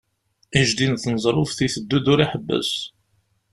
Ijdi n tneẓruft iteddu-d ur iḥebbes.